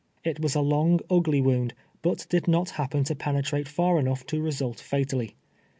It was a long, ugly wound, but did not happen to penetrate far enough to result fatally.